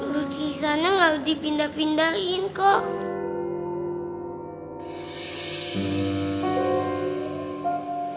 lukisannya gak dipindah pindahin kok